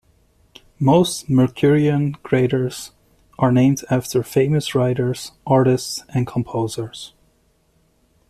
Most Mercurian craters are named after famous writers, artists and composers.